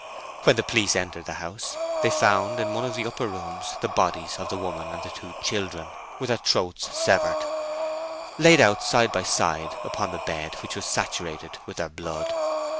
When the police entered the house, they found, in one of the upper rooms, the dead bodies of the woman and the two children, with their throats severed, laid out side by side upon the bed, which was saturated with their blood.